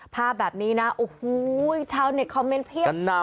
ภาพแบบนี้นะโอ้โหชาวเน็ตคอมเมนต์เพียบ